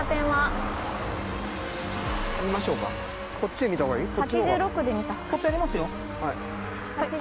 はい。